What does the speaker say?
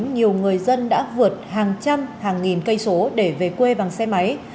nhiều người dân đã vượt hàng trăm hàng nghìn cây số để về quê bằng xe máy